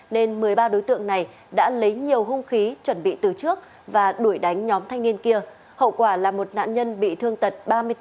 nên một mươi ba đối tượng này đã lấy nhiều hung khí chuẩn bị từ trước và đuổi đánh nhóm thanh niên kia hậu quả là một nạn nhân bị thương tật ba mươi bốn